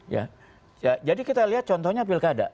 ya jadi kita lihat contohnya pilkada